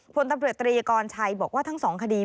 ผลตำเรือตรียกรไชยบอกว่าทั้งสองคดี